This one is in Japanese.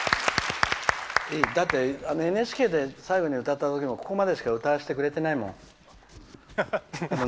だってＮＨＫで最後に歌ったときもここまでしか歌わせてくれてないもん。